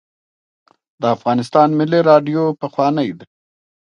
د افغانستان ملي راډیو پخوانۍ ده